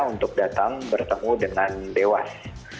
untuk datang bertemu dengan dewas